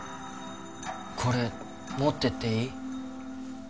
これ持ってっていい？